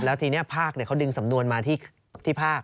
แล้วทีนี้ภาคเขาดึงสำนวนมาที่ภาค